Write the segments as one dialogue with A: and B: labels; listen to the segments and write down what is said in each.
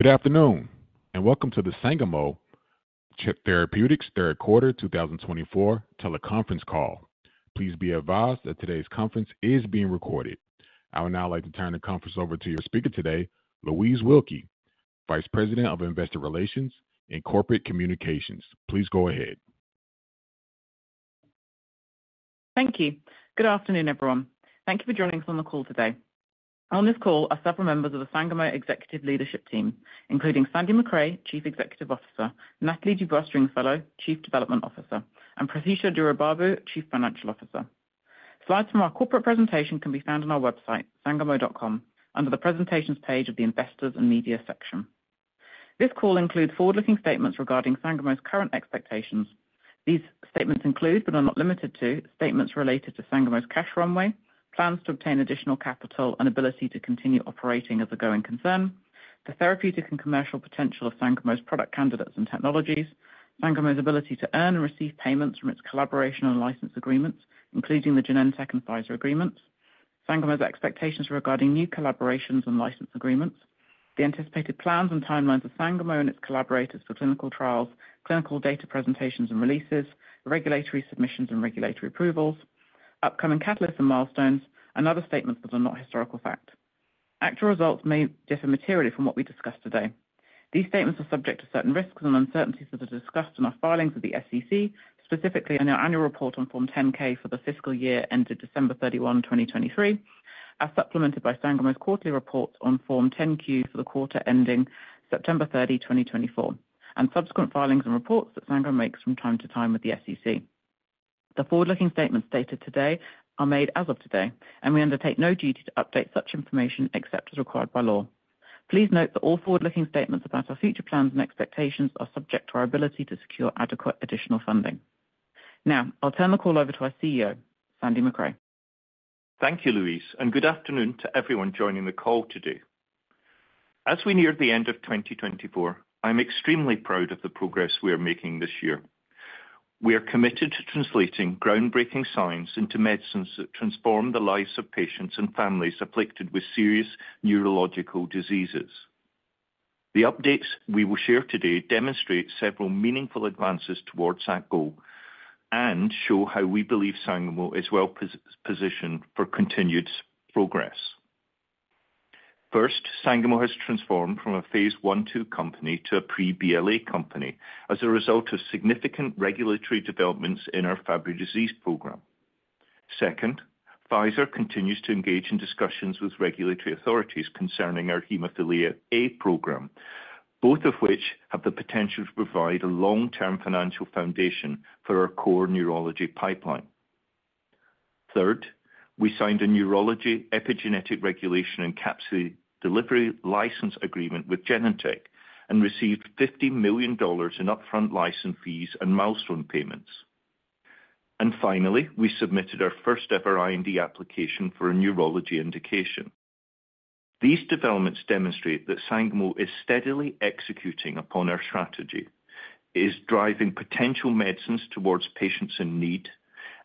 A: Good afternoon and welcome to the Sangamo Therapeutics R&D Day 2024 Teleconference Call. Please be advised that today's conference is being recorded. I would now like to turn the conference over to your speaker today, Louise Wilkie, Vice President of Investor Relations and Corporate Communications. Please go ahead.
B: Thank you. Good afternoon, everyone. Thank you for joining us on the call today. On this call are several members of the Sangamo Executive Leadership Team, including Sandy Macrae, Chief Executive Officer, Nathalie Dubois-Stringfellow, Chief Development Officer, and Prathyusha Duraibabu, Chief Financial Officer. Slides from our corporate presentation can be found on our website, sangamo.com, under the Presentations page of the Investors and Media section. This call includes forward-looking statements regarding Sangamo's current expectations. These statements include, but are not limited to, statements related to Sangamo's cash runway, plans to obtain additional capital, and ability to continue operating as a going concern, the therapeutic and commercial potential of Sangamo's product candidates and technologies, Sangamo's ability to earn and receive payments from its collaboration and license agreements, including the Genentech and Pfizer agreements, Sangamo's expectations regarding new collaborations and license agreements, the anticipated plans and timelines of Sangamo and its collaborators for clinical trials, clinical data presentations and releases, regulatory submissions and regulatory approvals, upcoming catalysts and milestones, and other statements that are not historical fact. Actual results may differ materially from what we discuss today. These statements are subject to certain risks and uncertainties that are discussed in our filings with the SEC, specifically in our annual report on Form 10-K for the fiscal year ended December 31, 2023, as supplemented by Sangamo's quarterly report on Form 10-Q for the quarter ending September 30, 2024, and subsequent filings and reports that Sangamo makes from time to time with the SEC. The forward-looking statements stated today are made as of today, and we undertake no duty to update such information except as required by law. Please note that all forward-looking statements about our future plans and expectations are subject to our ability to secure adequate additional funding. Now, I'll turn the call over to our CEO, Sandy Macrae.
C: Thank you, Louise, and good afternoon to everyone joining the call today. As we near the end of 2024, I'm extremely proud of the progress we are making this year. We are committed to translating groundbreaking science into medicines that transform the lives of patients and families afflicted with serious neurological diseases. The updates we will share today demonstrate several meaningful advances towards that goal and show how we believe Sangamo is well positioned for continued progress. First, Sangamo has transformed from a phase I/II company to a pre-BLA company as a result of significant regulatory developments in our Fabry disease program. Second, Pfizer continues to engage in discussions with regulatory authorities concerning our hemophilia A program, both of which have the potential to provide a long-term financial foundation for our core neurology pipeline. Third, we signed a neurology epigenetic regulation and capsid delivery license agreement with Genentech and received $50 million in upfront license fees and milestone payments, and finally, we submitted our first-ever IND application for a neurology indication. These developments demonstrate that Sangamo is steadily executing upon our strategy, is driving potential medicines towards patients in need,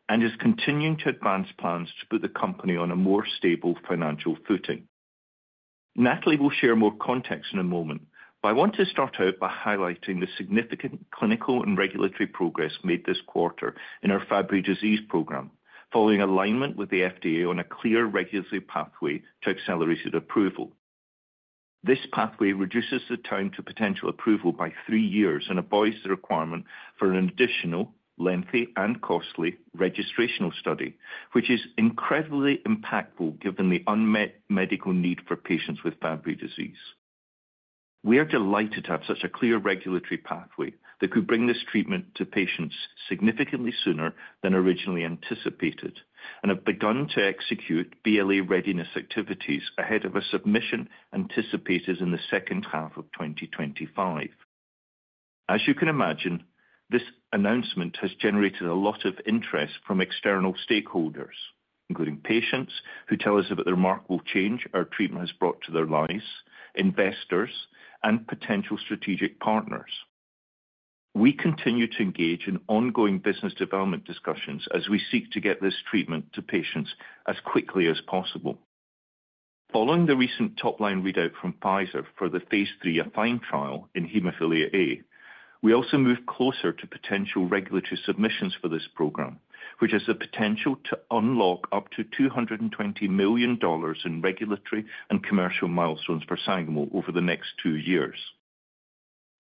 C: and is continuing to advance plans to put the company on a more stable financial footing. Nathalie will share more context in a moment, but I want to start out by highlighting the significant clinical and regulatory progress made this quarter in our Fabry disease program, following alignment with the FDA on a clear regulatory pathway to accelerated approval. This pathway reduces the time to potential approval by three years and abides the requirement for an additional, lengthy, and costly registrational study, which is incredibly impactful given the unmet medical need for patients with Fabry disease. We are delighted to have such a clear regulatory pathway that could bring this treatment to patients significantly sooner than originally anticipated and have begun to execute BLA readiness activities ahead of a submission anticipated in the second half of 2025. As you can imagine, this announcement has generated a lot of interest from external stakeholders, including patients who tell us that the remarkable change our treatment has brought to their lives, investors, and potential strategic partners. We continue to engage in ongoing business development discussions as we seek to get this treatment to patients as quickly as possible. Following the recent top-line readout from Pfizer for the phase III AFFINE trial in hemophilia A, we also move closer to potential regulatory submissions for this program, which has the potential to unlock up to $220 million in regulatory and commercial milestones for Sangamo over the next two years.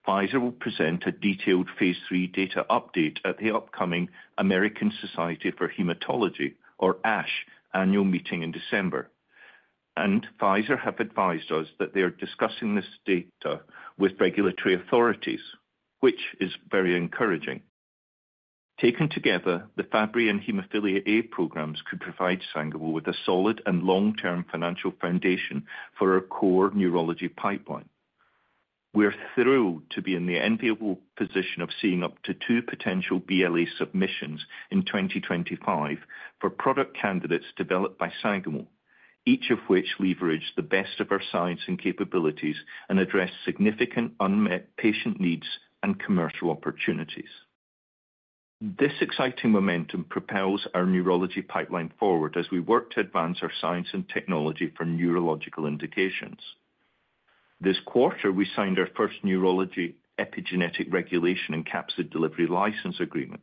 C: Pfizer will present a detailed phase III data update at the upcoming American Society of Hematology or ASH, annual meeting in December. And Pfizer have advised us that they are discussing this data with regulatory authorities, which is very encouraging. Taken together, the Fabry and hemophilia A programs could provide Sangamo with a solid and long-term financial foundation for our core neurology pipeline. We're thrilled to be in the enviable position of seeing up to two potential BLA submissions in 2025 for product candidates developed by Sangamo, each of which leverage the best of our science and capabilities and address significant unmet patient needs and commercial opportunities. This exciting momentum propels our neurology pipeline forward as we work to advance our science and technology for neurological indications. This quarter, we signed our first neurology epigenetic regulation and capsid delivery license agreement.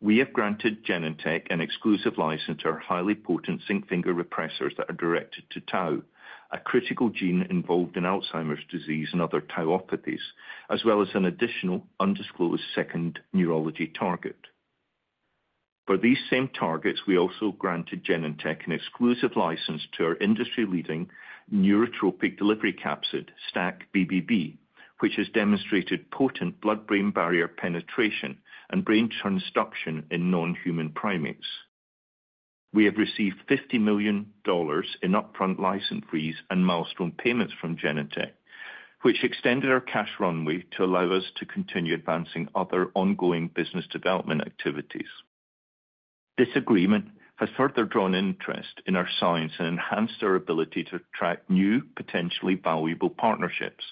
C: We have granted Genentech an exclusive license to our highly potent zinc finger repressors that are directed to tau, a critical gene involved in Alzheimer's disease and other tauopathies, as well as an additional undisclosed second neurology target. For these same targets, we also granted Genentech an exclusive license to our industry-leading neurotropic delivery capsid, STAC-BBB, which has demonstrated potent blood-brain barrier penetration and brain transduction in non-human primates. We have received $50 million in upfront license fees and milestone payments from Genentech, which extended our cash runway to allow us to continue advancing other ongoing business development activities. This agreement has further drawn interest in our science and enhanced our ability to attract new, potentially valuable partnerships.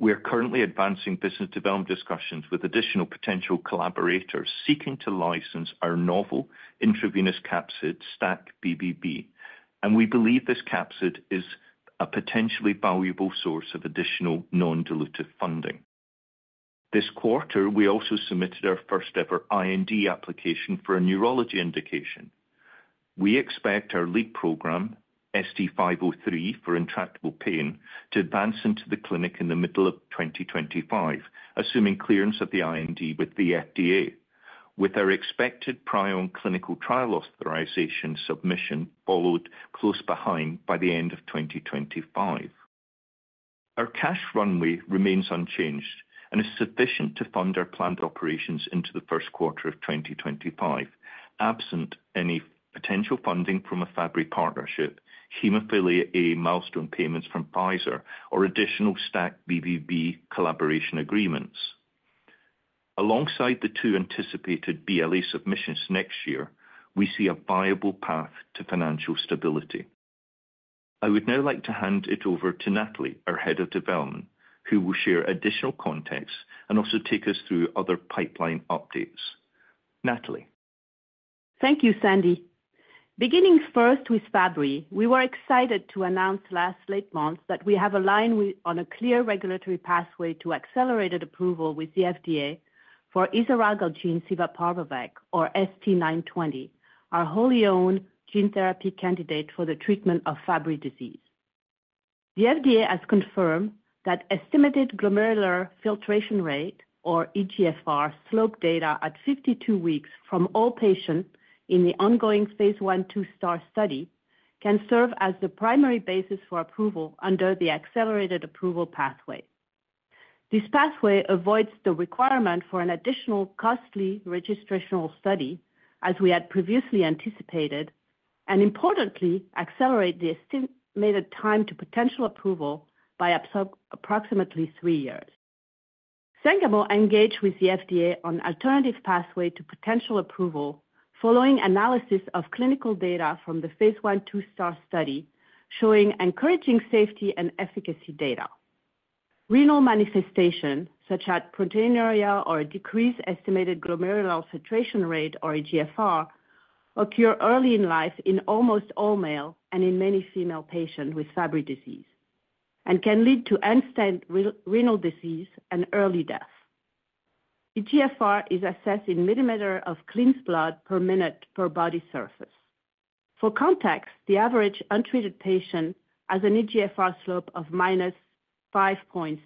C: We are currently advancing business development discussions with additional potential collaborators seeking to license our novel intravenous capsid, STAC-BBB, and we believe this capsid is a potentially valuable source of additional non-dilutive funding. This quarter, we also submitted our first-ever IND application for a neurology indication. We expect our lead program, ST-503 for intractable pain, to advance into the clinic in the middle of 2025, assuming clearance of the IND with the FDA, with our expected Clinical Trial Application submission followed close behind by the end of 2025. Our cash runway remains unchanged and is sufficient to fund our planned operations into the Q1 of 2025, absent any potential funding from a Fabry partnership, hemophilia A milestone payments from Pfizer, or additional STAC-BBB collaboration agreements. Alongside the two anticipated BLA submissions next year, we see a viable path to financial stability. I would now like to hand it over to Nathalie, our Head of Development, who will share additional context and also take us through other pipeline updates. Nathalie.
D: Thank you, Sandy. Beginning first with Fabry, we were excited to announce late last month that we have aligned on a clear regulatory pathway to accelerated approval with the FDA for isaralgagene civaparvovec, or ST-920, our wholly-owned gene therapy candidate for the treatment of Fabry disease. The FDA has confirmed that estimated glomerular filtration rate, or eGFR, slope data at 52 weeks from all patients in phase I/II STAAR study can serve as the primary basis for approval under the accelerated approval pathway. This pathway avoids the requirement for an additional costly registrational study, as we had previously anticipated, and importantly, accelerates the estimated time to potential approval by approximately three years. Sangamo engaged with the FDA on an alternative pathway to potential approval following analysis of clinical data phase I/II STAAR study showing encouraging safety and efficacy data. Renal manifestations such as proteinuria or a decreased estimated glomerular filtration rate, or eGFR, occur early in life in almost all male and in many female patients with Fabry disease and can lead to end-stage renal disease and early death. eGFR is assessed in milliliters of cleansed blood per minute per body surface. For context, the average untreated patient has an eGFR slope of minus 5.6.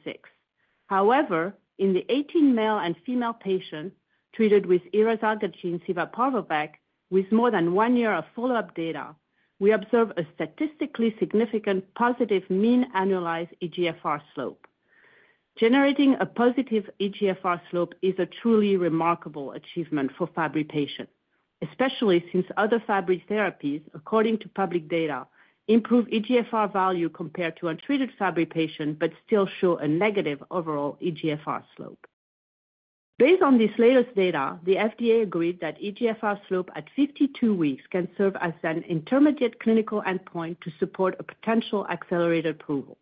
D: However, in the 18 male and female patients treated with isaralgagene civaparvovec, with more than one year of follow-up data. We observe a statistically significant positive mean annualized eGFR slope. Generating a positive eGFR slope is a truly remarkable achievement for Fabry patients, especially since other Fabry therapies, according to public data, improve eGFR value compared to untreated Fabry patients but still show a negative overall eGFR slope. Based on this latest data, the FDA agreed that eGFR slope at 52 weeks can serve as an intermediate clinical endpoint to support a potential accelerated approval.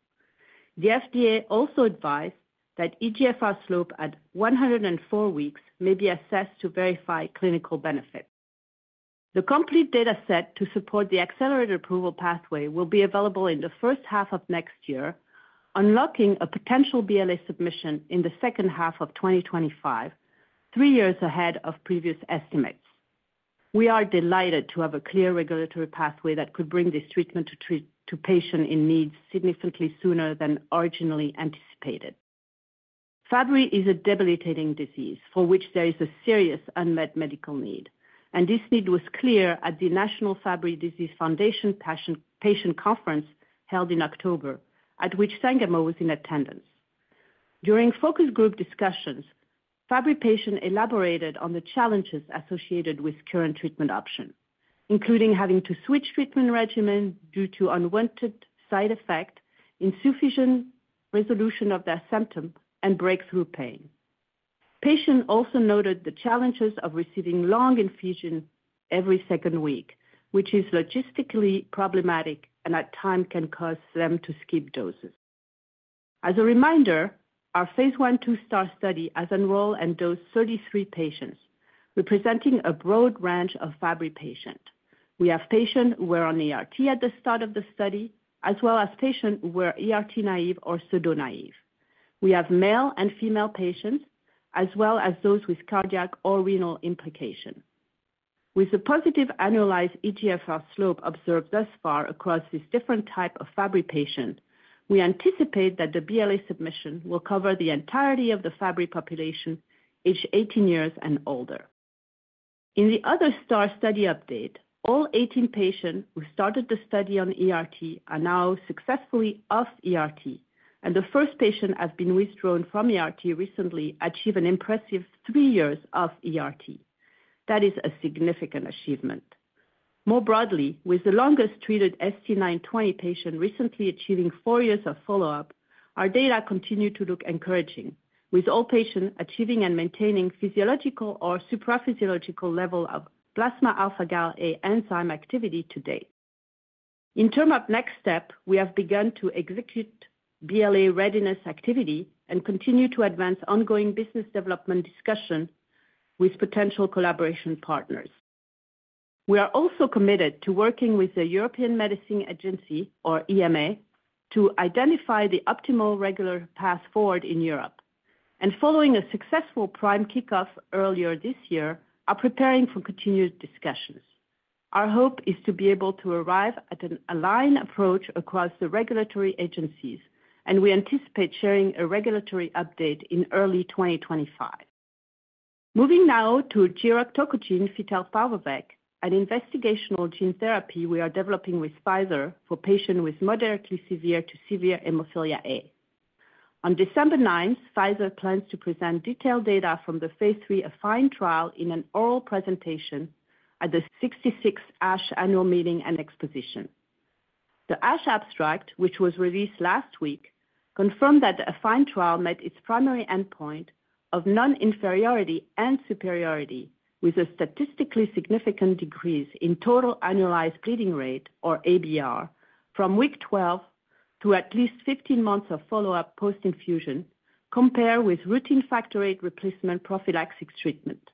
D: The FDA also advised that eGFR slope at 104 weeks may be assessed to verify clinical benefit. The complete data set to support the accelerated approval pathway will be available in the first half of next year, unlocking a potential BLA submission in the second half of 2025, three years ahead of previous estimates. We are delighted to have a clear regulatory pathway that could bring this treatment to patients in need significantly sooner than originally anticipated. Fabry is a debilitating disease for which there is a serious unmet medical need, and this need was clear at the National Fabry Disease Foundation Patient Conference held in October, at which Sangamo was in attendance. During focus group discussions, Fabry patients elaborated on the challenges associated with current treatment options, including having to switch treatment regimen due to unwanted side effects, insufficient resolution of their symptoms, and breakthrough pain. Patients also noted the challenges of receiving long infusions every second week, which is logistically problematic and at times can cause them to skip doses. As a phase I/II STAAR study has enrolled and dosed 33 patients, representing a broad range of Fabry patients. We have patients who were on ERT at the start of the study, as well as patients who were ERT-naïve or pseudo-naïve. We have male and female patients, as well as those with cardiac or renal implications. With the positive annualized eGFR slope observed thus far across these different types of Fabry patients, we anticipate that the BLA submission will cover the entirety of the Fabry population aged 18 years and older. In the other STAAR study update, all 18 patients who started the study on ERT are now successfully off ERT, and the first patient has been withdrawn from ERT recently achieved an impressive three years off ERT. That is a significant achievement. More broadly, with the longest-treated ST-920 patient recently achieving four years of follow-up, our data continue to look encouraging, with all patients achieving and maintaining physiological or supraphysiological levels of plasma Alpha-gal A enzyme activity to date. In terms of next steps, we have begun to execute BLA readiness activity and continue to advance ongoing business development discussions with potential collaboration partners. We are also committed to working with the European Medicines Agency or EMA, to identify the optimal regulatory path forward in Europe. And following a successful PRIME kickoff earlier this year, we are preparing for continued discussions. Our hope is to be able to arrive at an aligned approach across the regulatory agencies, and we anticipate sharing a regulatory update in early 2025. Moving now to giroctocogene fitelparvovec, an investigational gene therapy we are developing with Pfizer for patients with moderately severe to severe hemophilia A. On 9 December, Pfizer plans to present detailed data from the phase III AFFINE trial in an oral presentation at the 66th ASH Annual Meeting and Exposition. The ASH abstract, which was released last week, confirmed that the AFFINE trial met its primary endpoint of non-inferiority and superiority with statistically significant decrease in total annualized bleeding rate, or ABR, from week 12 to at least 15 months of follow-up post-infusion, compared with routine Factor VIII replacement prophylaxis treatment.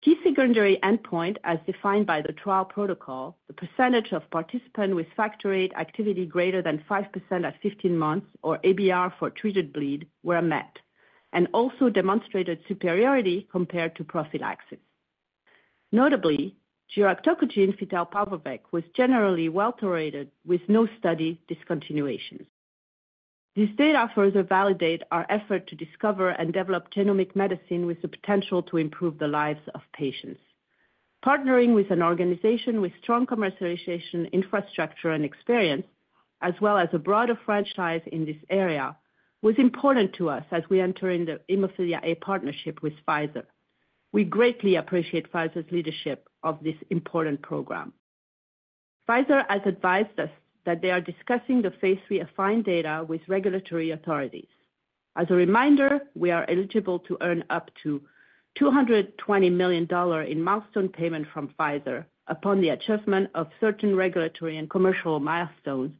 D: Key secondary endpoint, as defined by the trial protocol, the percentage of participants with Factor VIII activity greater than 5% at 15 months, or ABR for treated bleed, were met and also demonstrated superiority compared to prophylaxis. Notably, giroctocogene fitelparvovec was generally well tolerated with no study discontinuations. This data further validates our effort to discover and develop genomic medicine with the potential to improve the lives of patients. Partnering with an organization with strong commercialization infrastructure and experience, as well as a broader franchise in this area, was important to us as we enter into the hemophilia A partnership with Pfizer. We greatly appreciate Pfizer's leadership of this important program. Pfizer has advised us that they are discussing the phase III AFFINE data with regulatory authorities. As a reminder, we are eligible to earn up to $220 million in milestone payments from Pfizer upon the achievement of certain regulatory and commercial milestones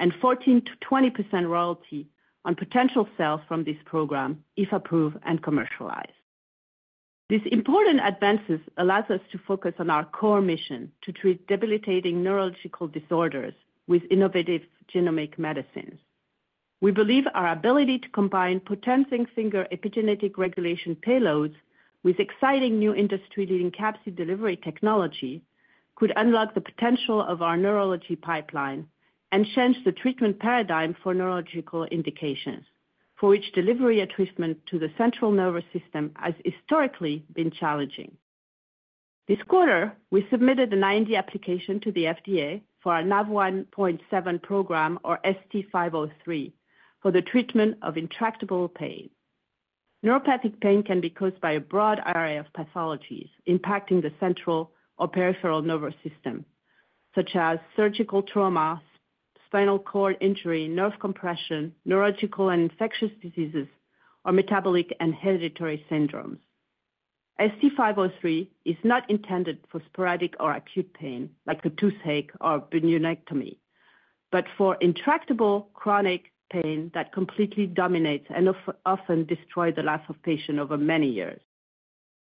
D: and 14% to 20% royalty on potential sales from this program if approved and commercialized. This important advancement allows us to focus on our core mission to treat debilitating neurological disorders with innovative genomic medicines. We believe our ability to combine potent zinc finger epigenetic regulation payloads with exciting new industry-leading capsid delivery technology could unlock the potential of our neurology pipeline and change the treatment paradigm for neurological indications, for which delivery of treatment to the central nervous system has historically been challenging. This quarter, we submitted an IND application to the FDA for our Nav1.7 program, or ST-503, for the treatment of intractable pain. Neuropathic pain can be caused by a broad array of pathologies impacting the central or peripheral nervous system, such as surgical trauma, spinal cord injury, nerve compression, neurological and infectious diseases, or metabolic and hereditary syndromes. ST-503 is not intended for sporadic or acute pain, like a toothache or bunionectomy, but for intractable chronic pain that completely dominates and often destroys the life of a patient over many years.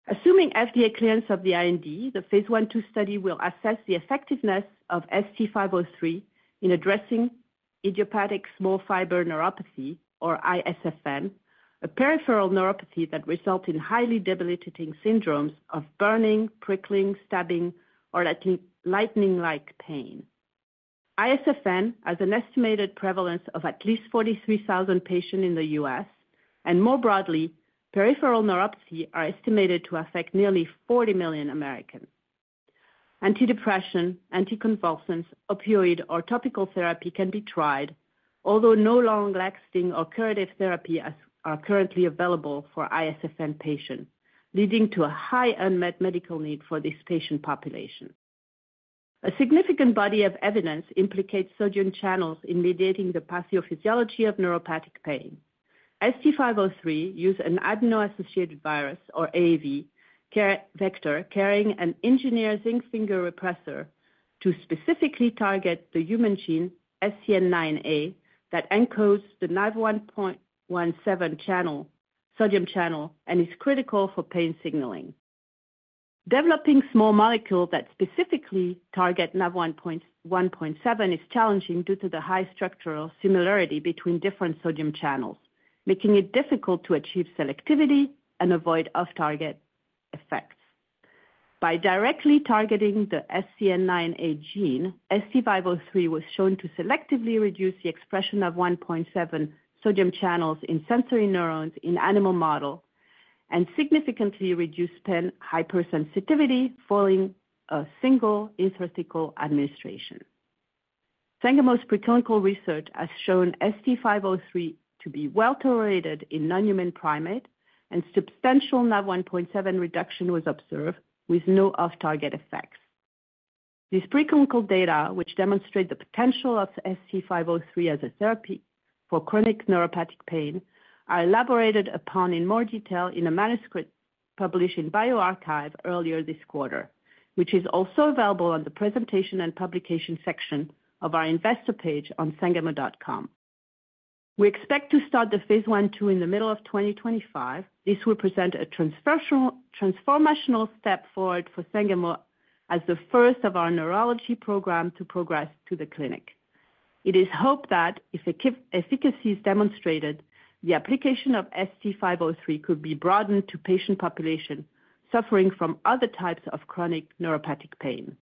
D: Assuming FDA clearance of the IND, phase I/II study will assess the effectiveness of ST-503 in addressing idiopathic small fiber neuropathy, or iSFN, a peripheral neuropathy that results in highly debilitating syndromes of burning, prickling, stabbing, or lightning-like pain. iSFN has an estimated prevalence of at least 43,000 patients in the U.S., and more broadly, peripheral neuropathy is estimated to affect nearly 40 million Americans. Antidepressant, anticonvulsant, opioid, or topical therapy can be tried, although no long-lasting or curative therapies are currently available for iSFN patients, leading to a high unmet medical need for this patient population. A significant body of evidence implicates sodium channels in mediating the pathophysiology of neuropathic pain. ST-503 uses an adeno-associated virus or AAV, vector carrying an engineered zinc finger repressor to specifically target the human gene SCN9A that encodes the Nav1.7 sodium channel and is critical for pain signaling. Developing small molecules that specifically target Nav1.7 is challenging due to the high structural similarity between different sodium channels, making it difficult to achieve selectivity and avoid off-target effects. By directly targeting the SCN9A gene, ST-503 was shown to selectively reduce the expression of Nav1.7 sodium channels in sensory neurons in animal models and significantly reduce pain hypersensitivity following a single intrathecal administration. Sangamo's preclinical research has shown ST-503 to be well tolerated in non-human primates, and substantial Nav1.7 reduction was observed with no off-target effects. This preclinical data, which demonstrates the potential of ST-503 as a therapy for chronic neuropathic pain, is elaborated upon in more detail in a manuscript published in bioRxiv earlier this quarter, which is also available in the presentation and publication section of our Investor page on sangamo.com. We expect to start phase I/II in the middle of 2025. This will present a transformational step forward for Sangamo as the first of our neurology program to progress to the clinic. It is hoped that, if efficacy is demonstrated, the application of ST-503 could be broadened to patient populations suffering from other types of chronic neuropathic pain.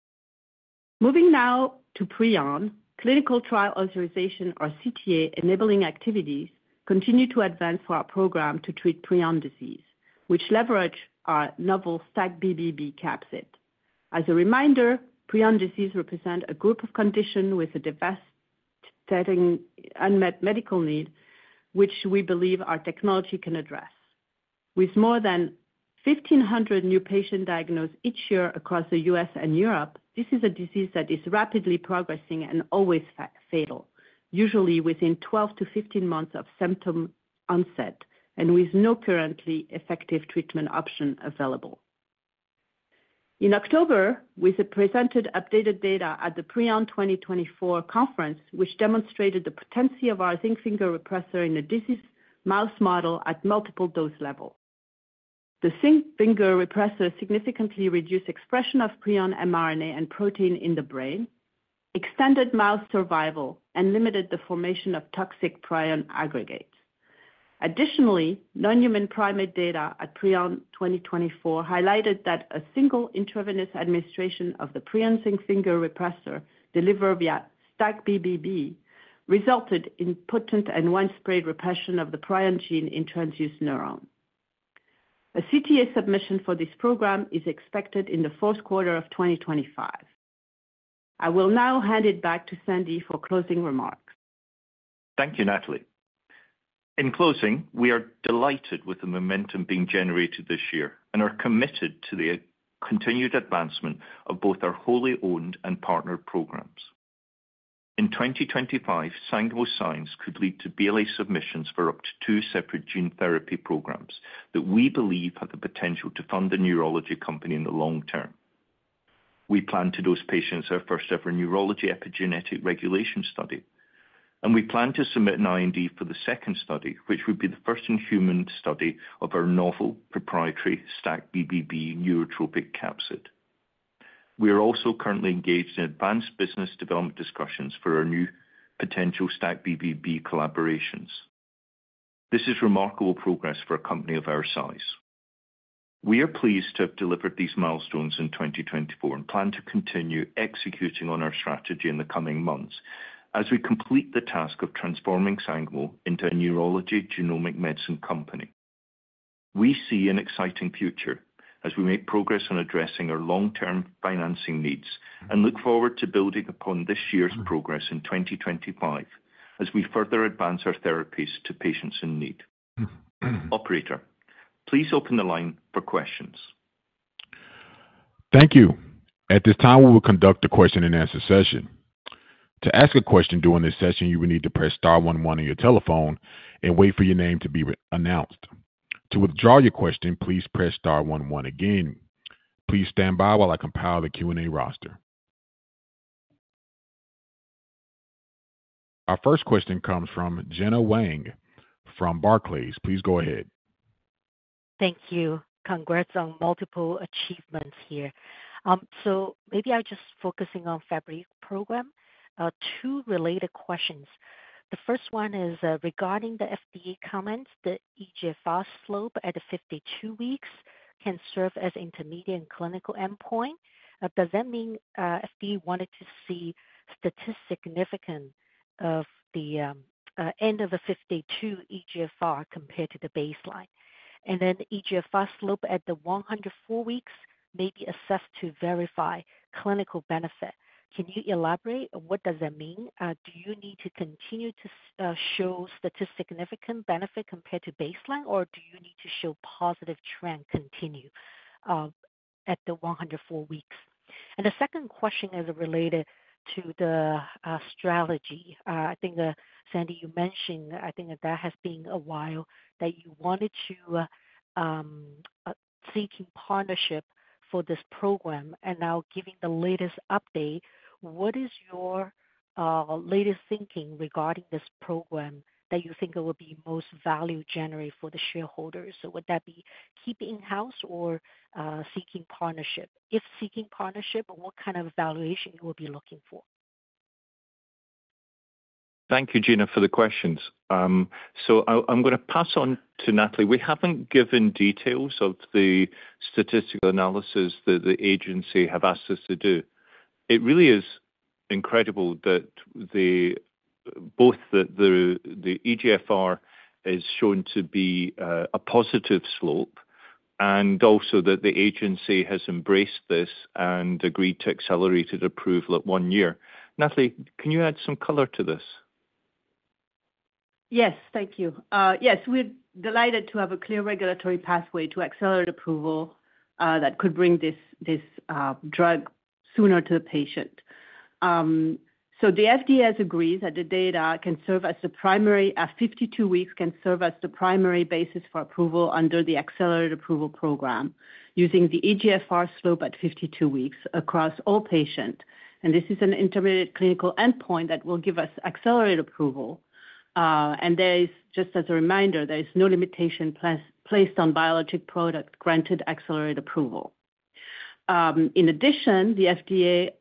D: Moving now to prion clinical trial authorization, or CTA, enabling activities continue to advance for our program to treat prion disease, which leverages our novel STAC-BBB capsid. As a reminder, prion disease represents a group of conditions with a devastating unmet medical need, which we believe our technology can address. With more than 1,500 new patients diagnosed each year across the U.S. and Europe, this is a disease that is rapidly progressing and always fatal, usually within 12-15 months of symptom onset and with no currently effective treatment option available. In October, we presented updated data at the Prion 2024 conference, which demonstrated the potency of our zinc finger repressor in a disease mouse model at multiple dose levels. The zinc finger repressor significantly reduced expression of prion mRNA and protein in the brain, extended mouse survival, and limited the formation of toxic prion aggregates. Additionally, non-human primate data at Prion 2024 highlighted that a single intravenous administration of the prion zinc finger repressor delivered via STAC-BBB resulted in potent and widespread repression of the prion gene in transduced neurons. A CTA submission for this program is expected in the Q4 of 2025. I will now hand it back to Sandy for closing remarks.
C: Thank you, Nathalie. In closing, we are delighted with the momentum being generated this year and are committed to the continued advancement of both our wholly owned and partnered programs. In 2025, Sangamo's science could lead to BLA submissions for up to two separate gene therapy programs that we believe have the potential to fund a neurology company in the long term. We plan to dose patients in our first-ever neurology epigenetic regulation study, and we plan to submit an IND for the second study, which would be the first in-human study of our novel proprietary STAC-BBB neurotropic capsid. We are also currently engaged in advanced business development discussions for our new potential STAC-BBB collaborations. This is remarkable progress for a company of our size. We are pleased to have delivered these milestones in 2024 and plan to continue executing on our strategy in the coming months as we complete the task of transforming Sangamo into a neurology genomic medicine company. We see an exciting future as we make progress in addressing our long-term financing needs and look forward to building upon this year's progress in 2025 as we further advance our therapies to patients in need. Operator, please open the line for questions.
A: Thank you. At this time, we will conduct a question-and-answer session. To ask a question during this session, you will need to press star one one on your telephone and wait for your name to be announced. To withdraw your question, please press star one one again. Please stand by while I compile the Q&A roster. Our first question comes from Gena Wang from Barclays. Please go ahead.
E: Thank you. Congrats on multiple achievements here. So maybe I'll just focus on the Fabry program. Two related questions. The first one is regarding the FDA comments that eGFR slope at 52 weeks can serve as an intermediate clinical endpoint. Does that mean the FDA wanted to see statistically significant change at the end of the 52-week eGFR compared to the baseline? Then eGFR slope at the 104 weeks may be assessed to verify clinical benefit. Can you elaborate? What does that mean? Do you need to continue to show statistically significant benefit compared to baseline, or do you need to show positive trend continued at the 104 weeks? The second question is related to the strategy. I think, Sandy, you mentioned that it has been a while that you wanted to seek partnership for this program. Now, given the latest update, what is your latest thinking regarding this program that you think it will be most value-generating for the shareholders? So would that be keeping in-house or seeking partnership? If seeking partnership, what kind of valuation will you be looking for?
C: Thank you, Gena, for the questions. So I'm going to pass on to Nathalie. We haven't given details of the statistical analysis that the agency has asked us to do. It really is incredible that both the eGFR is shown to be a positive slope and also that the agency has embraced this and agreed to accelerated approval at one year. Nathalie, can you add some color to this?
D: Yes, thank you. Yes, we're delighted to have a clear regulatory pathway to accelerate approval that could bring this drug sooner to the patient. So the FDA has agreed that the data can serve as the primary at 52 weeks can serve as the primary basis for approval under the accelerated approval program using the eGFR slope at 52 weeks across all patients. And this is an intermediate clinical endpoint that will give us accelerated approval. Just as a reminder, there is no limitation placed on biologic products granted accelerated approval. In addition, the FDA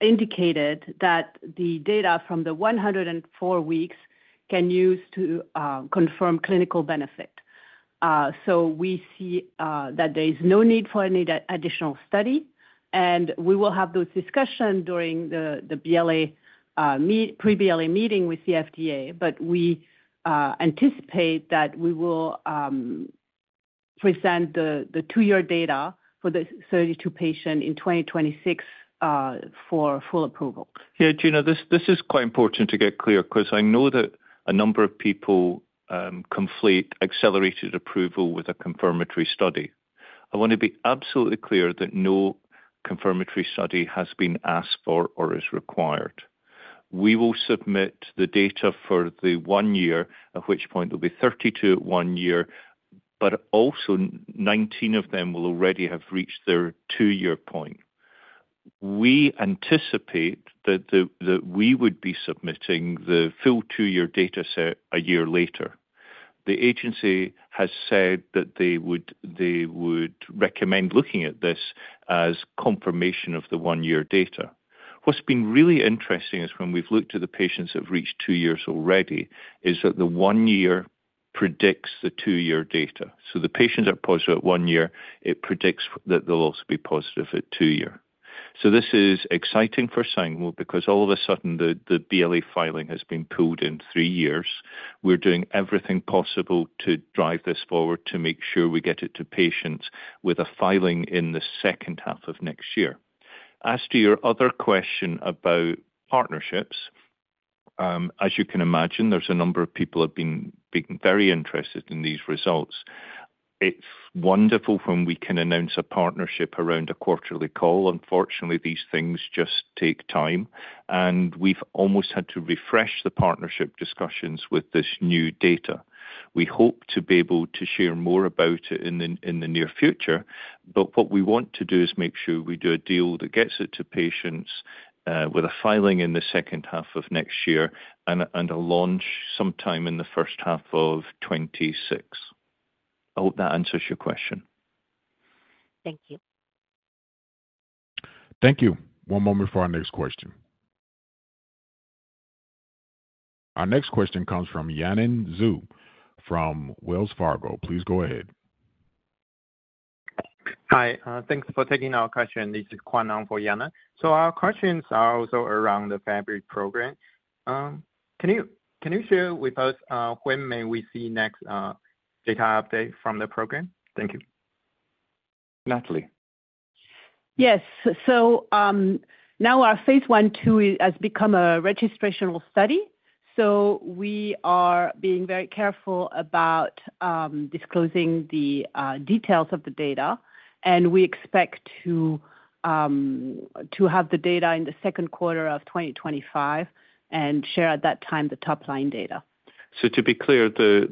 D: indicated that the data from the 104 weeks can be used to confirm clinical benefit. We see that there is no need for any additional study, and we will have those discussions during the pre-BLA meeting with the FDA, but we anticipate that we will present the two-year data for the 32 patients in 2026 for full approval.
C: Yeah, Gena, this is quite important to get clear because I know that a number of people conflate accelerated approval with a confirmatory study. I want to be absolutely clear that no confirmatory study has been asked for or is required. We will submit the data for the one year, at which point there will be 32 at one year, but also 19 of them will already have reached their two-year point. We anticipate that we would be submitting the full two-year data set a year later. The agency has said that they would recommend looking at this as confirmation of the one-year data. What's been really interesting is when we've looked at the patients that have reached two years already, is that the one year predicts the two-year data. So the patients are positive at one year, it predicts that they'll also be positive at two years. This is exciting for Sangamo because all of a sudden, the BLA filing has been pulled in three years. We're doing everything possible to drive this forward to make sure we get it to patients with a filing in the second half of next year. As to your other question about partnerships, as you can imagine, there's a number of people who have been very interested in these results. It's wonderful when we can announce a partnership around a quarterly call. Unfortunately, these things just take time, and we've almost had to refresh the partnership discussions with this new data. We hope to be able to share more about it in the near future, but what we want to do is make sure we do a deal that gets it to patients with a filing in the second half of next year and a launch sometime in the first half of 2026. I hope that answers your question.
E: Thank you.
C: Thank you.
A: One moment for our next question. Our next question comes from Yanan Zhu from Wells Fargo. Please go ahead.
F: Hi. Thanks for taking our question. This is Quan Ang for Yanan. So our questions are also around the Fabry program. Can you share with us when may we see next data update from the program?
C: Thank you. Nathalie.
D: Yes. So now phase I/II has become a registrational study. So we are being very careful about disclosing the details of the data, and we expect to have the data in the Q2 of 2025 and share at that time the top-line data.
C: So to be clear, the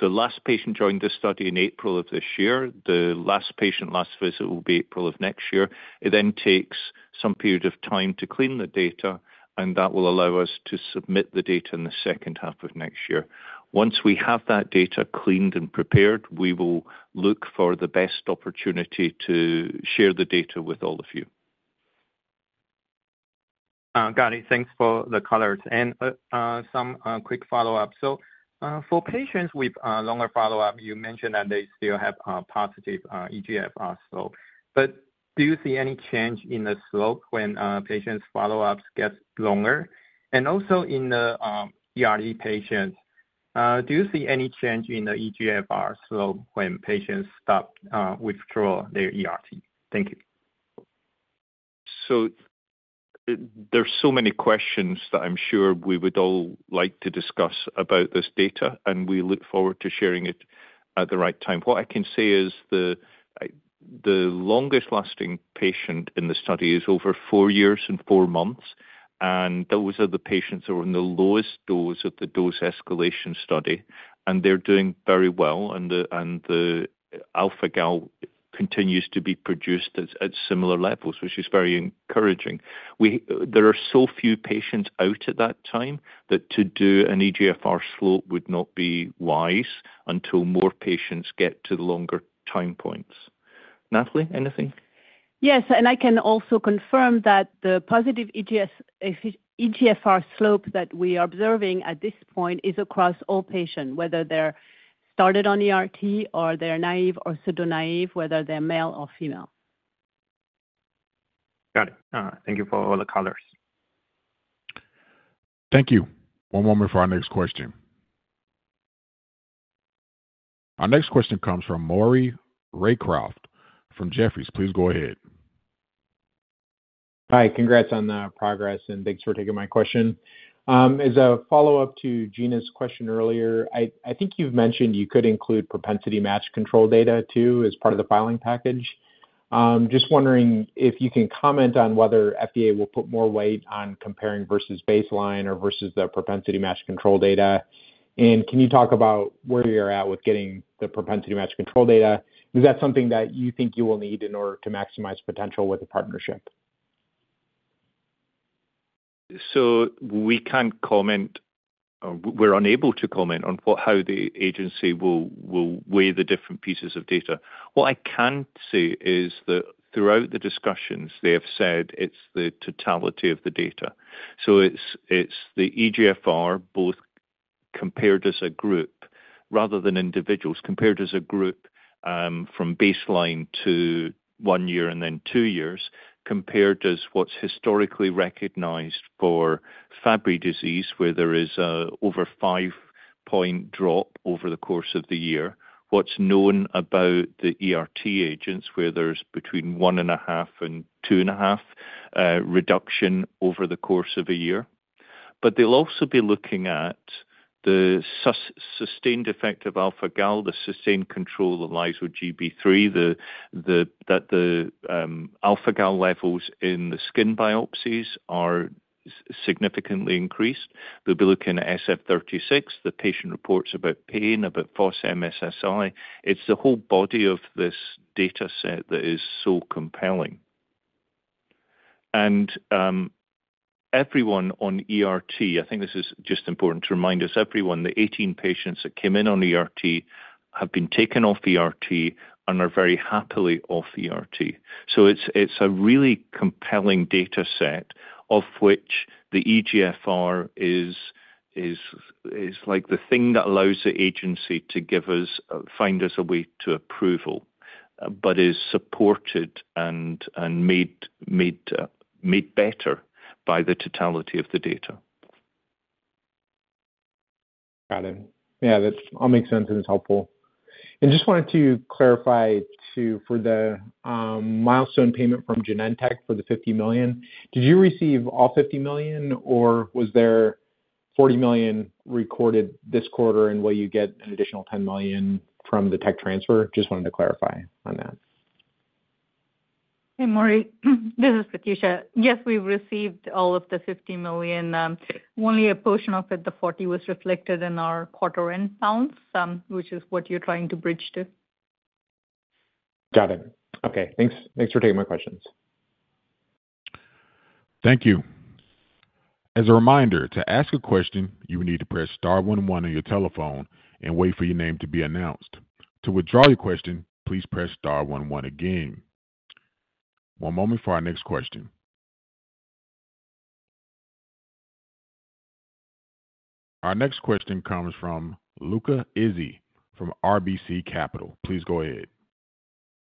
C: last patient joined this study in April of this year. The last patient's last visit will be April of next year. It then takes some period of time to clean the data, and that will allow us to submit the data in the second half of next year. Once we have that data cleaned and prepared, we will look for the best opportunity to share the data with all of you.
F: Got it. Thanks for the questions. Some quick follow-up. For patients with longer follow-up, you mentioned that they still have positive eGFR slope. Do you see any change in the slope when patients' follow-ups get longer? Also in the ERT patients, do you see any change in the eGFR slope when patients stop or withdraw their ERT? Thank you.
C: There are so many questions that I'm sure we would all like to discuss about this data, and we look forward to sharing it at the right time. What I can say is the longest-lasting patient in the study is over four years and four months, and those are the patients who are in the lowest dose of the dose escalation study, and they're doing very well, and the alpha-gal continues to be produced at similar levels, which is very encouraging. There are so few patients out at that time that to do an eGFR slope would not be wise until more patients get to the longer time points. Nathalie, anything?
D: Yes. And I can also confirm that the positive eGFR slope that we are observing at this point is across all patients, whether they're started on ERT or they're naïve or pseudo-naïve, whether they're male or female.
F: Got it. Thank you for all the colors.
A: Thank you. One moment for our next question. Our next question comes from Maury Raycroft from Jefferies. Please go ahead.
G: Hi. Congrats on the progress, and thanks for taking my question. As a follow-up to Gena's question earlier, I think you've mentioned you could include propensity match control data too as part of the filing package. Just wondering if you can comment on whether FDA will put more weight on comparing versus baseline or versus the propensity match control data. And can you talk about where you're at with getting the propensity match control data? Is that something that you think you will need in order to maximize potential with a partnership?
C: So we can't comment. We're unable to comment on how the agency will weigh the different pieces of data. What I can say is that throughout the discussions, they have said it's the totality of the data. So it's the eGFR both compared as a group rather than individuals, compared as a group from baseline to one year and then two years, compared as what's historically recognized for Fabry disease, where there is an over five-point drop over the course of the year, what's known about the ERT agents, where there's between one and a half and two and a half reduction over the course of a year. But they'll also be looking at the sustained effect of alpha-gal, the sustained control that lies with Gb3, that the alpha-gal levels in the skin biopsies are significantly increased. They'll be looking at SF-36. The patient reports about pain, about MSSI. It's the whole body of this data set that is so compelling. Everyone on ERT, I think this is just important to remind us, everyone, the 18 patients that came in on ERT have been taken off ERT and are very happily off ERT. So it's a really compelling data set of which the eGFR is like the thing that allows the agency to find us a way to approval but is supported and made better by the totality of the data.
G: Got it. Yeah. That all makes sense and is helpful. Just wanted to clarify too for the milestone payment from Genentech for the $50 million. Did you receive all $50 million, or was there $40 million recorded this quarter and will you get an additional $10 million from the tech transfer? Just wanted to clarify on that.
H: Hey, Maury. This is Prathyusha. Yes, we've received all of the $50 million. Only a portion of it, the $40 million, was reflected in our quarter-end balance, which is what you're trying to bridge to.
G: Got it. Okay. Thanks. Thanks for taking my questions.
A: Thank you. As a reminder, to ask a question, you would need to press star 11 on your telephone and wait for your name to be announced. To withdraw your question, please press star one one again. One moment for our next question. Our next question comes from Luca Issi from RBC Capital. Please go ahead.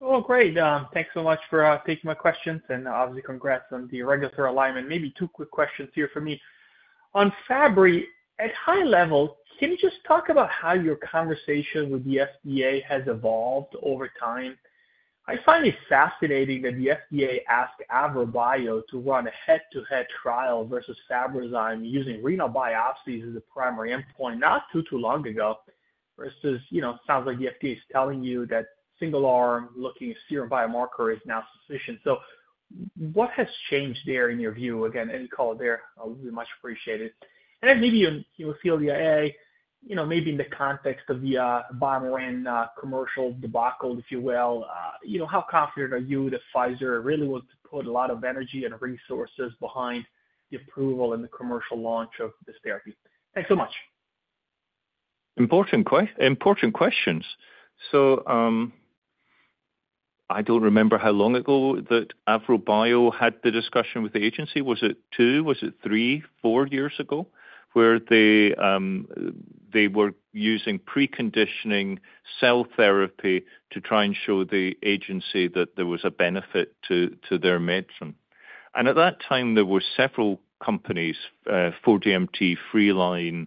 I: Oh, great. Thanks so much for taking my questions. And obviously, congrats on the regulatory alignment. Maybe two quick questions here for me. On Fabry, at high level, can you just talk about how your conversation with the FDA has evolved over time? I find it fascinating that the FDA asked AvroBio to run a head-to-head trial versus Fabrazyme using renal biopsies as the primary endpoint not too, too long ago versus it sounds like the FDA is telling you that single-arm looking serum biomarker is now sufficient. So what has changed there in your view? Again, any comment there would be much appreciated. And then maybe you'll feel the way, maybe in the context of the BioMarin and commercial debacle, if you will, how confident are you that Pfizer really was to put a lot of energy and resources behind the approval and the commercial launch of this therapy? Thanks so much.
C: Important questions. So I don't remember how long ago that AvroBio had the discussion with the agency. Was it two, was it three, four years ago where they were using preconditioning cell therapy to try and show the agency that there was a benefit to their medicine? And at that time, there were several companies, 4DMT, Freeline,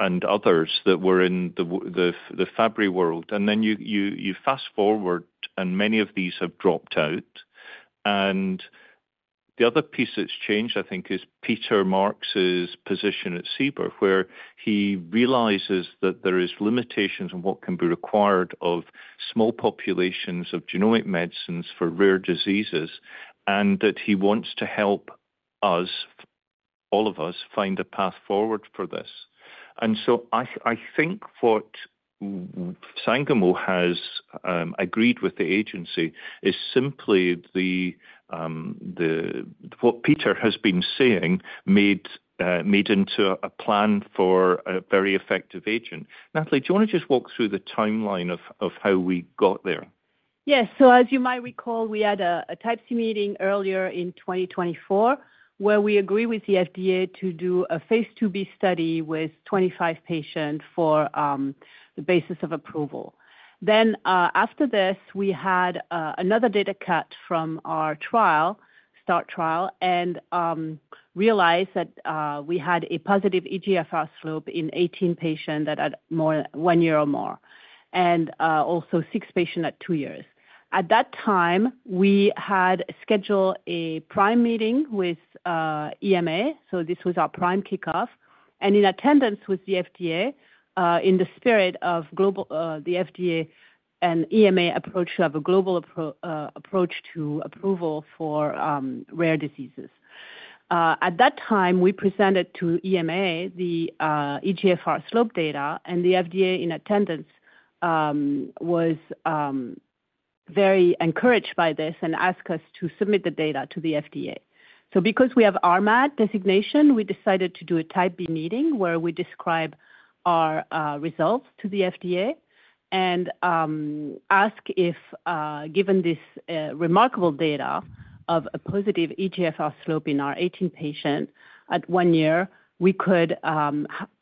C: and others that were in the Fabry world. And then you fast forward, and many of these have dropped out. And the other piece that's changed, I think, is Peter Marks' position at CBER, where he realizes that there are limitations on what can be required of small populations of genomic medicines for rare diseases and that he wants to help all of us find a path forward for this. And so I think what Sangamo has agreed with the agency is simply what Peter has been saying made into a plan for a very effective agent. Nathalie, do you want to just walk through the timeline of how we got there?
D: Yes. So as you might recall, we had a Type C meeting earlier in 2024 where we agreed with the FDA to do a phase II-B study with 25 patients for the basis of approval. Then after this, we had another data cut from our STAAR study and realized that we had a positive eGFR slope in 18 patients that had one year or more, and also six patients at two years. At that time, we had scheduled a PRIME meeting with EMA. So this was our PRIME kickoff. And in attendance was the FDA in the spirit of the FDA and EMA approach to have a global approach to approval for rare diseases. At that time, we presented to EMA the eGFR slope data, and the FDA in attendance was very encouraged by this and asked us to submit the data to the FDA, so because we have RMAT designation, we decided to do a type B meeting where we describe our results to the FDA and ask if, given this remarkable data of a positive eGFR slope in our 18 patients at one year, we could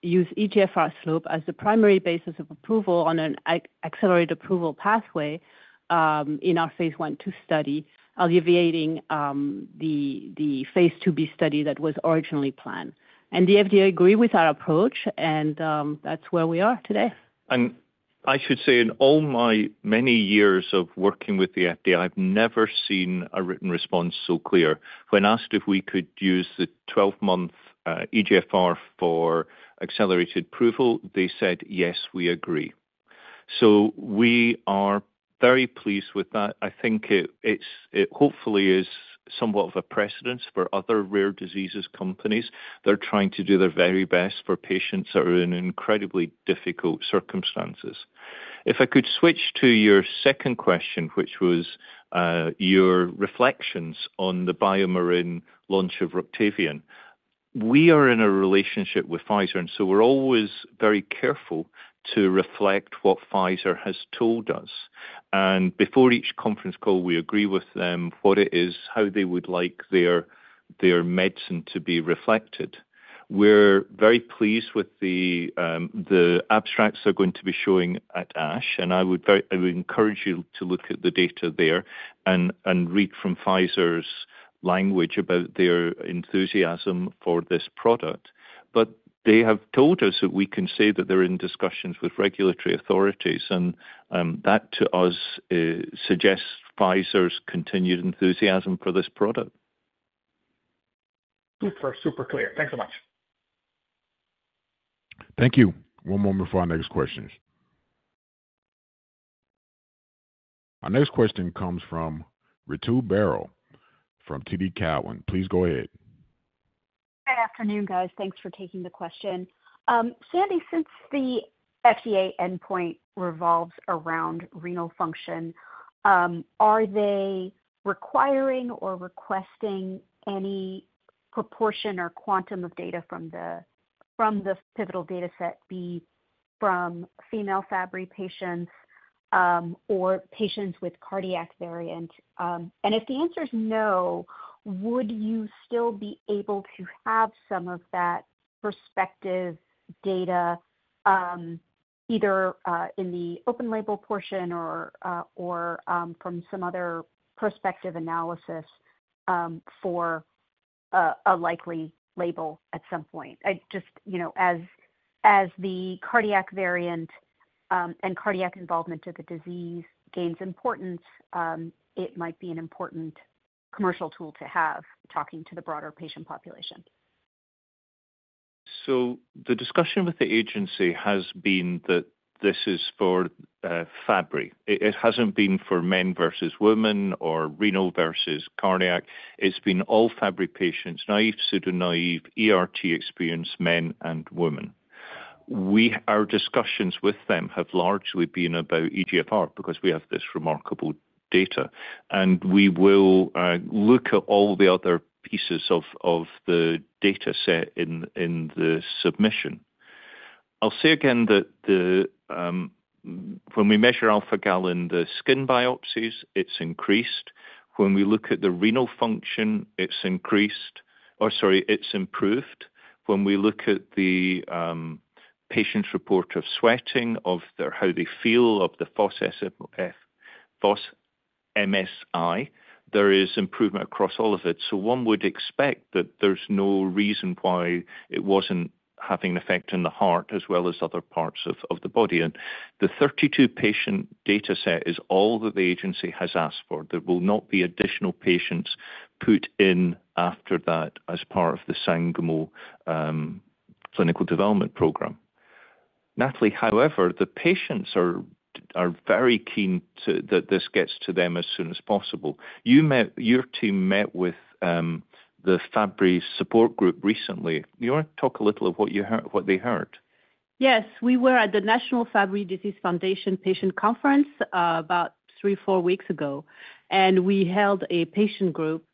D: use eGFR slope as the primary basis of approval on an accelerated approval pathway in phase I/II study, alleviating the phase II-B study that was originally planned, and the FDA agreed with our approach, and that's where we are today.
C: And I should say, in all my many years of working with the FDA, I've never seen a written response so clear. When asked if we could use the 12-month eGFR for accelerated approval, they said, "Yes, we agree." So we are very pleased with that. I think it hopefully is somewhat of a precedent for other rare diseases companies. They're trying to do their very best for patients that are in incredibly difficult circumstances. If I could switch to your second question, which was your reflections on the BioMarin launch of Roctavian, we are in a relationship with Pfizer, and so we're always very careful to reflect what Pfizer has told us, and before each conference call, we agree with them what it is, how they would like their medicine to be reflected. We're very pleased with the abstracts they're going to be showing at ASH, and I would encourage you to look at the data there and read from Pfizer's language about their enthusiasm for this product. But they have told us that we can say that they're in discussions with regulatory authorities, and that to us suggests Pfizer's continued enthusiasm for this product.
I: Super, super clear. Thanks so much.
A: Thank you. One moment for our next questions. Our next question comes from Ritu Baral from TD Cowen. Please go ahead.
J: Good afternoon, guys. Thanks for taking the question. Sandy, since the FDA endpoint revolves around renal function, are they requiring or requesting any proportion or quantum of data from the pivotal data set, be it from female Fabry patients or patients with cardiac variant? And if the answer is no, would you still be able to have some of that prospective data either in the open label portion or from some other prospective analysis for a likely label at some point? Just as the cardiac variant and cardiac involvement of the disease gains importance, it might be an important commercial tool to have talking to the broader patient population.
C: So the discussion with the agency has been that this is for Fabry. It hasn't been for men versus women or renal versus cardiac. It's been all Fabry patients, naïve, pseudo-naïve, ERT experienced men and women. Our discussions with them have largely been about eGFR because we have this remarkable data. And we will look at all the other pieces of the data set in the submission. I'll say again that when we measure alpha-gal in the skin biopsies, it's increased. When we look at the renal function, it's increased or sorry, it's improved. When we look at the patient's report of sweating, of how they feel, of the MSSI, there is improvement across all of it. One would expect that there's no reason why it wasn't having an effect in the heart as well as other parts of the body. And the 32-patient data set is all that the agency has asked for. There will not be additional patients put in after that as part of the Sangamo clinical development program. Nathalie, however, the patients are very keen that this gets to them as soon as possible. Your team met with the Fabry support group recently. Do you want to talk a little of what they heard?
D: Yes. We were at the National Fabry Disease Foundation patient conference about three, four weeks ago. And we held a patient group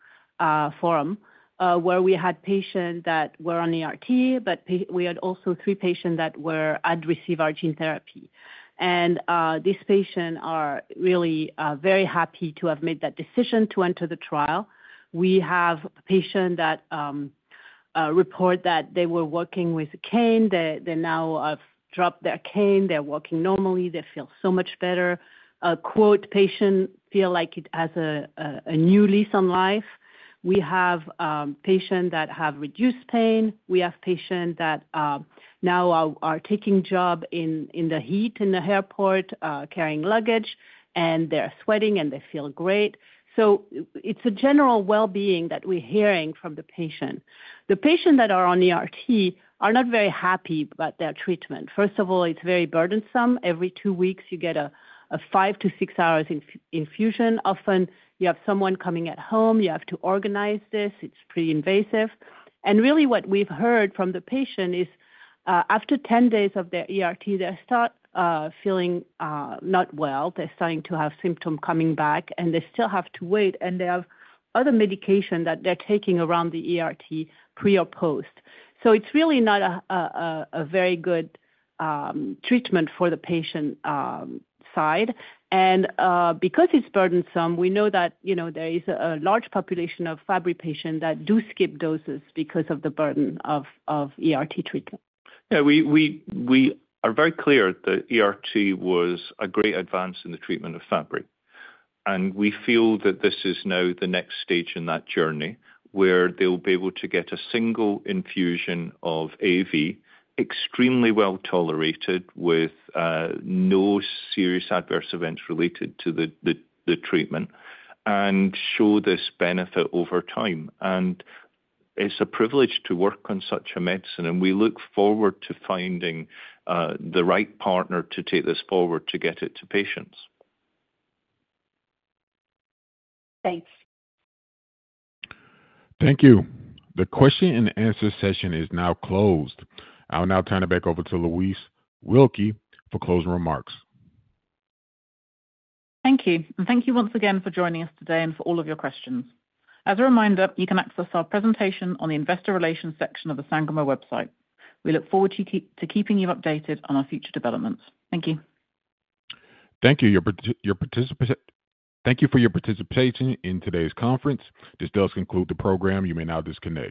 D: forum where we had patients that were on ERT, but we had also three patients that were adverse to our gene therapy. These patients are really very happy to have made that decision to enter the trial. We have patients that report that they were working with a cane. They now have dropped their cane. They're walking normally. They feel so much better. "Patients feel like it has a new lease on life." We have patients that have reduced pain. We have patients that now are taking jobs in the heat in the airport, carrying luggage, and they're sweating, and they feel great. So it's a general well-being that we're hearing from the patients. The patients that are on ERT are not very happy about their treatment. First of all, it's very burdensome. Every two weeks, you get a five- to six-hour infusion. Often, you have someone coming at home. You have to organize this. It's pretty invasive. Really, what we've heard from the patients is after 10 days of their ERT, they're starting feeling not well. They're starting to have symptoms coming back, and they still have to wait. They have other medications that they're taking around the ERT, pre or post. So it's really not a very good treatment for the patient side. Because it's burdensome, we know that there is a large population of Fabry patients that do skip doses because of the burden of ERT treatment.
C: Yeah. We are very clear that ERT was a great advance in the treatment of Fabry. We feel that this is now the next stage in that journey where they'll be able to get a single infusion of AAV, extremely well tolerated with no serious adverse events related to the treatment, and show this benefit over time. It's a privilege to work on such a medicine. We look forward to finding the right partner to take this forward to get it to patients.
J: Thanks.
C: Thank you. The question-and-answer session is now closed. I'll now turn it back over to Louise Wilkie for closing remarks.
B: Thank you. And thank you once again for joining us today and for all of your questions. As a reminder, you can access our presentation on the investor relations section of the Sangamo website. We look forward to keeping you updated on our future developments. Thank you.
A: Thank you for your participation in today's conference. This does conclude the program. You may now disconnect.